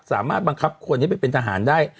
สามารถบังคับคนให้ไปเป็นทหารได้